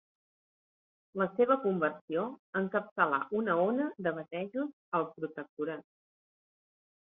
La seva conversió encapçalà una ona de batejos al protectorat.